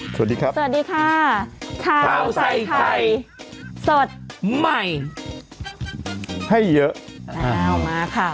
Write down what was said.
สวัสดีครับสวัสดีค่ะข้าวใส่ไข่สดใหม่ให้เยอะอ้าวมาค่ะ